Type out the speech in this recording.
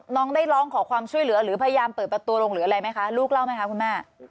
น้องได้ร้องขอความช่วยเหลือหรือพยายามเปิดประตูลงหรืออะไรไหมคะลูกเล่าไหมคะคุณแม่